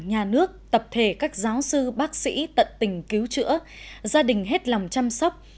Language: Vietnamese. nhà nước tập thể các giáo sư bác sĩ tận tình cứu chữa gia đình hết lòng chăm sóc